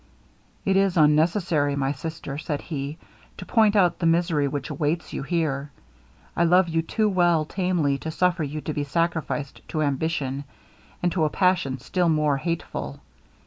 'It is unnecessary,' my sister, said he, 'to point out the misery which awaits you here. I love you too well tamely to suffer you to be sacrificed to ambition, and to a passion still more hateful.